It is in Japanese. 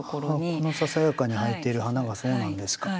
このささやかに咲いてる花がそうなんですか。